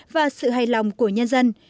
và sự hài lòng của nhân dân